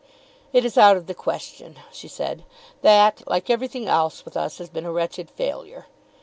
"It is out of the question," she said. "That, like everything else with us, has been a wretched failure.